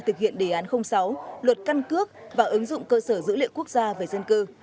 thực hiện đề án sáu luật căn cước và ứng dụng cơ sở dữ liệu quốc gia về dân cư